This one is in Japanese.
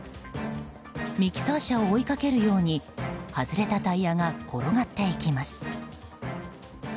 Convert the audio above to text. ミキサー車を追いかけるように外れたタイヤが転がっていきます。